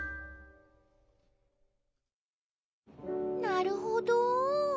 なるほど。